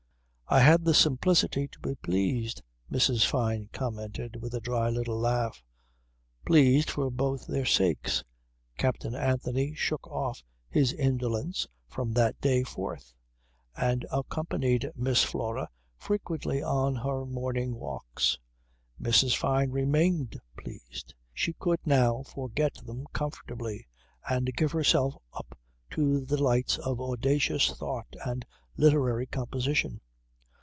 "I had the simplicity to be pleased," Mrs. Fyne commented with a dry little laugh. "Pleased for both their sakes." Captain Anthony shook off his indolence from that day forth, and accompanied Miss Flora frequently on her morning walks. Mrs. Fyne remained pleased. She could now forget them comfortably and give herself up to the delights of audacious thought and literary composition.